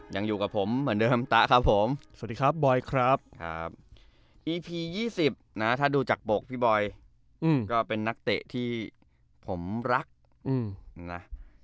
ยังอยู่กับผมเหมือนเดิมตะครับผมสวัสดีครับบอยครับครับอีพี๒๐นะถ้าดูจากบกพี่บอยก็เป็นนักเตะที่ผมรักนะ